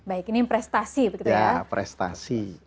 baik ini prestasi begitu ya prestasi